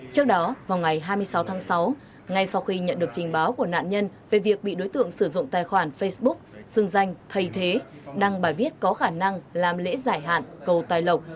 trước đó vào ngày hai mươi sáu tháng sáu ngay sau khi nhận được trình báo của nạn nhân về việc bị đối tượng sử dụng tài khoản facebook xưng danh thầy thế đăng bài viết có khả năng làm lễ giải hạn cầu tài lộc